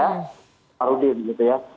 pak marudin gitu ya